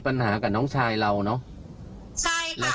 เพราะว่าเหมือนบ้านหนูไม่ปลอดภัยค่ะ